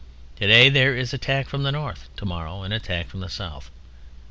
Today there is attack from the North, tomorrow an attack from the South.